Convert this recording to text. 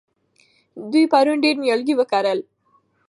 دوی پرون ډېر نیالګي وکرل.